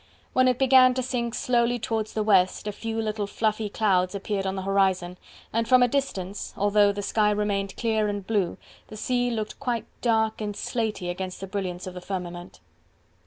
When it began to sink slowly towards the West a few little fluffy clouds appeared on the horizon, and from a distance, although the sky remained clear and blue, the sea looked quite dark and slaty against the brilliance of the firmament.